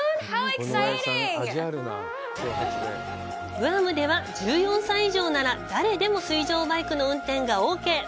グアムでは１４歳以上なら誰でも水上バイクの運転がオーケー！